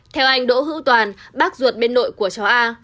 theo anh đỗ hữu toàn bác ruột bên nội của chó a